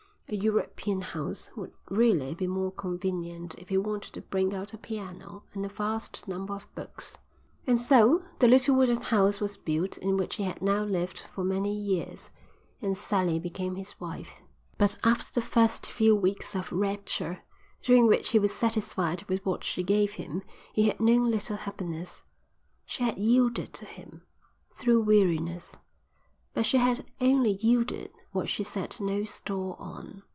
A European house would really be more convenient if he wanted to bring out a piano and a vast number of books. And so the little wooden house was built in which he had now lived for many years, and Sally became his wife. But after the first few weeks of rapture, during which he was satisfied with what she gave him he had known little happiness. She had yielded to him, through weariness, but she had only yielded what she set no store on.